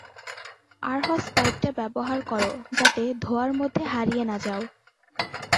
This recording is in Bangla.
আর হোস পাইপটা ব্যবহার কর যাতে ধোঁয়ার মধ্যে হারিয়ে না যাও।